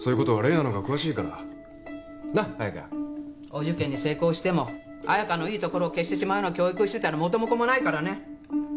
お受験に成功しても彩香のいいところを消してしまうような教育をしてたら元も子もないからね。